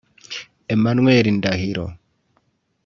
Emmanuel Ndahiro